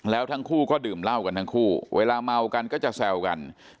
แล้วทั้งคู่ก็ดื่มเหล้ากันทั้งคู่เวลาเมากันก็จะแซวกัน